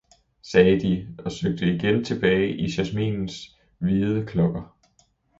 sagde de og søgte igen tilbage i jasminens hvide klokker.